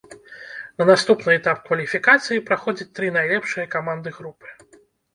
На наступны этап кваліфікацыі праходзяць тры найлепшыя каманды групы.